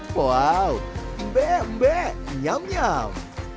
wow embek embek nyam nyam